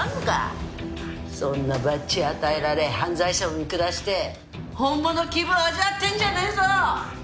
そんなバッジ与えられ犯罪者を見下して本物気分を味わってんじゃねえぞ。